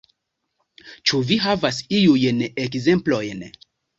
Ĉu vi havas iujn ekzemplojn?